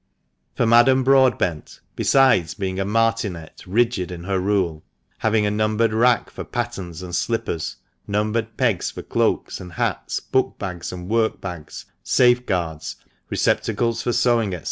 For Madame Broadbent, besides being a martinet rigid in her rule — having a numbered rack for pattens and slippers, numbered pegs for cloaks and hats, book bags and work bags, safe guards (receptacles for sewing, &c.